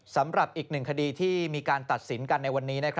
สำหรับอีกหนึ่งคดีที่มีการตัดสินกันในวันนี้